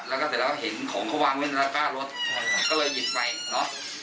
แล้วก็เสร็จแล้วเห็นของเขาวางไว้ในระก้ารถก็เลยหยิบไปเนอะ